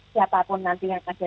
siapapun nanti yang ada